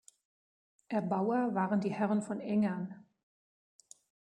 Erbauer waren die Herren von Engern.